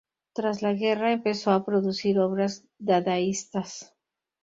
Tras la guerra, empezó a producir obras dadaístas.